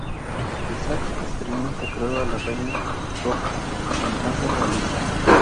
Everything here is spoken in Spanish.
Isaacs posteriormente creó a la Reina Roja a semejanza de Alicia.